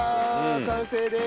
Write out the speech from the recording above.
完成です！